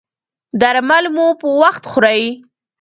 درمل مو په وخت خورئ؟